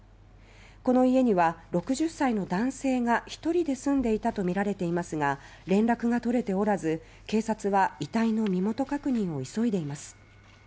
この家には６０歳の男性が１人で住んでいたとみられていますが連絡が取れておらず警察は遺体の身元確認を急いでいます。